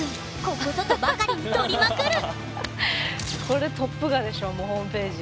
ここぞとばかりに撮りまくる！